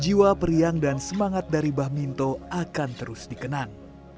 jiwa periang dan semangat dari bah minto akan terus dikenal